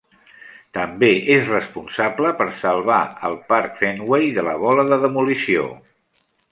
També és responsable per salvar el parc Fenway de la bola de demolició.